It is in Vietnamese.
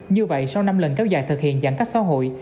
như vậy sau năm lần kéo dài thực hiện giãn cách xã hội